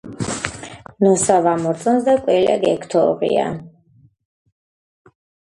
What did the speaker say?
ნოსა ვამორწონს და კველა გეითუღია.